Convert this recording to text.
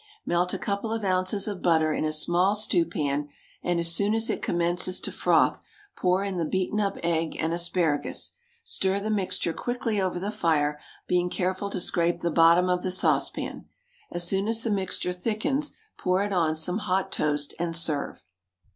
Melt a couple of ounces of butter in a small stew pan, and as soon as it commences to froth pour in the beaten up egg and asparagus; stir the mixture quickly over the fire, being careful to scrape the bottom of the saucepan. As soon as the mixture thickens pour it on some hot toast, and serve.